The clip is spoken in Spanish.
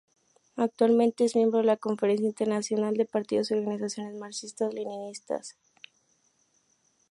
Actualmente es miembro de la Conferencia Internacional de Partidos y Organizaciones Marxista-Leninistas.